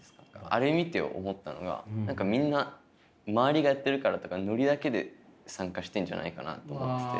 あれ見て思ったのがみんな周りがやってるからとかノリだけで参加してんじゃないかなと思ってて。